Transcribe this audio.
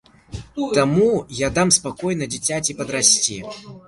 Таму я дам спакойна дзіцяці падрасці.